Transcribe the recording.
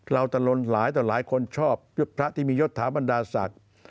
ตะลนหลายต่อหลายคนชอบพระที่มียศถาบรรดาศักดิ์